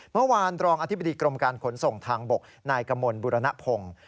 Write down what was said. เมื่อวานรองอธิบดีกรมการขนส่งทางบกนายกมลบุรณพงศ์